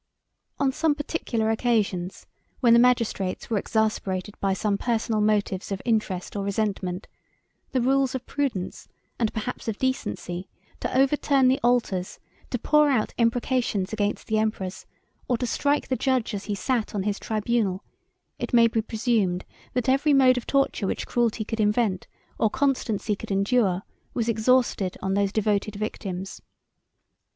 On some particular occasions, when the magistrates were exasperated by some personal motives of interest or resentment, the rules of prudence, and perhaps of decency, to overturn the altars, to pour out imprecations against the emperors, or to strike the judge as he sat on his tribunal, it may be presumed, that every mode of torture which cruelty could invent, or constancy could endure, was exhausted on those devoted victims.